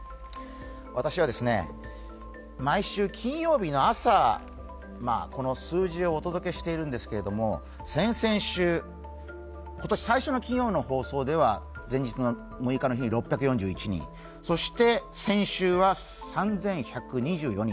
私は毎週金曜日の朝、この数字をお届けしているんですけれども、先々週、今年最初の金曜の放送では前日の６日の日、６４１人そして先週は３１２４人。